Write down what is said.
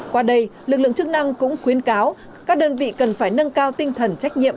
qua đây lực lượng chức năng cũng khuyến cáo các đơn vị cần phải nâng cao tinh thần trách nhiệm